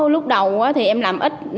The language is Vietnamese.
lúc đầu thì em làm ít